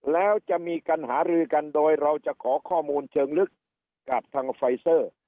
แล้วจะมีการหารือกันโดยเราจะขอข้อมูลเชิงลึกกับทางไฟเซอร์